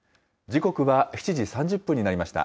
時刻は７時３０分になりました。